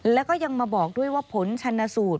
แล้วก็ยังมาบอกด้วยว่าผลชนสูตร